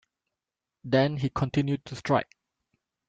Then he continued to strike.